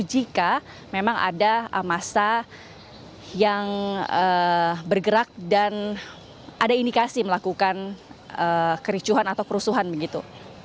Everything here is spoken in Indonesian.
jika memang ada masa yang bergerak dan ada indikasi melakukan kericuhan atau kerusuhan begitu